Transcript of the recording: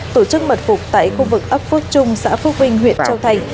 tổ chức mật phục tại khu vực ấp phước trung xã phước vinh huyện châu thành